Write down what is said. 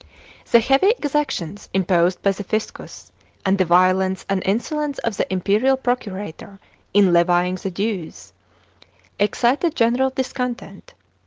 The heavy exactions imposed by the fiscus, and the violence and insolence of the imperial procurator in levying the dues, excited general discontent.